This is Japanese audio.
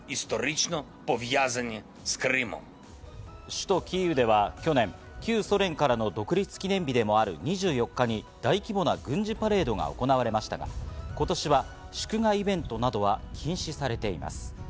首都キーウでは去年、旧ソ連からの独立記念日でもある２４日に大規模な軍事パレードが行われましたが、今年は祝賀イベントなどは禁止されています。